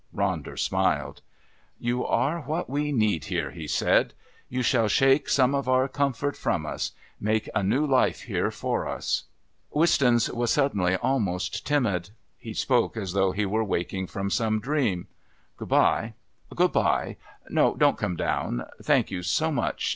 Ronder smiled. "You are what we need here," he said. "You shall shake some of our comfort from us make a new life here for us." Wistons was suddenly almost timid. He spoke as though he were waking from some dream. "Good bye.... Good bye. No, don't come down. Thank you so much.